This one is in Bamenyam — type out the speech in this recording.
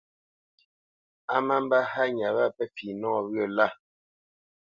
A má mbə́ hánya wâ pə́ fi nɔwyə̂ lâ.